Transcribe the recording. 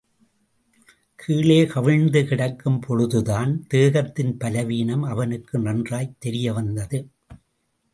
கீழே கவிழ்ந்து கிடக்கும் பொழுதுதான் தேகத்தின் பலவீனம் அவனுக்கு நன்றாய்த் தெரியவந்தது.